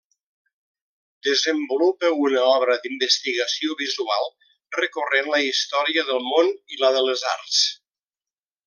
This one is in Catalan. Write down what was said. Desenvolupa una obra d'investigació visual, recorrent la història del món i la de les Arts.